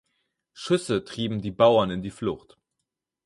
Schüsse trieben die Bauern in die Flucht.